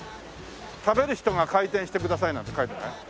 食べる人が回転してくださいなんて書いてない？